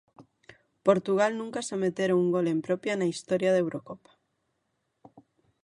Portugal nunca se metera un gol en propia na historia da Eurocopa.